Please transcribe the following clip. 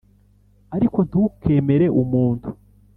ariko ntukemere umuntu